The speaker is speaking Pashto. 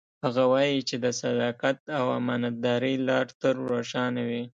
هغه وایي چې د صداقت او امانتدارۍ لار تل روښانه وي